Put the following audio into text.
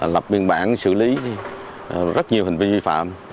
lập biên bản xử lý rất nhiều hành vi vi phạm